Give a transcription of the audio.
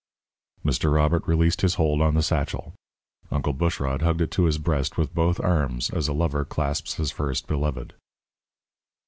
Mr. Robert released his hold on the satchel. Uncle Bushrod hugged it to his breast with both arms, as a lover clasps his first beloved.